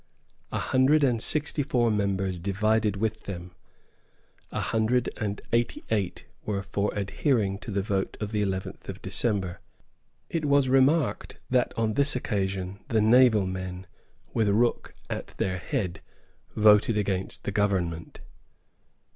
A hundred and sixty four members divided with them. A hundred and eighty eight were for adhering to the vote of the eleventh of December. It was remarked that on this occasion the naval men, with Rooke at their head, voted against the Government.